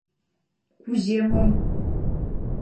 — Кузе мом?